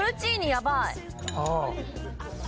やばい